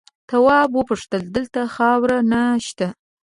تواب وپوښتل دلته خاوره نه شته؟